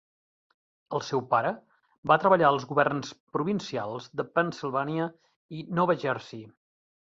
El seu pare va treballar als governs provincials de Pennsilvània i Nova Jersey.